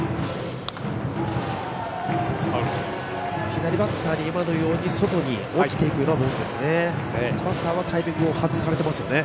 左バッターに外に落ちていくようなボールですね。